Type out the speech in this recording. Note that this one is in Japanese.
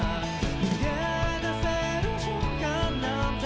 「逃げ出せる瞬間なんて」